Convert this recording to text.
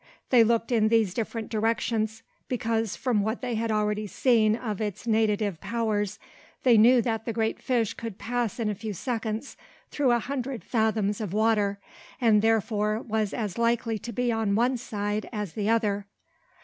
They looked in these different directions, because, from what they had already seen of its natative powers, they knew that the great fish could pass in a few seconds through a hundred fathoms of water, and therefore was as likely to be on one side as the other.